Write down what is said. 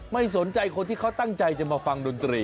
ไม่สนใจคนที่เขาตั้งใจจะมาฟังดนตรี